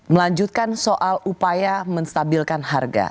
melanjutkan soal upaya menstabilkan harga